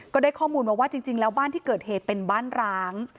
ก็ได้ข้อมูลมาว่าจริงแล้วบ้านที่เกิดเหตุเป็นบ้านร้าง